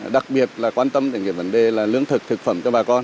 đặc biệt là quan tâm đến những vấn đề lưỡng thực thực phẩm cho bà con